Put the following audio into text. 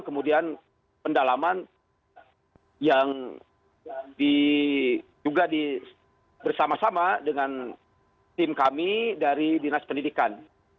kemudian pendalaman yang juga bersama sama dengan tim kami dari dinas pendidikan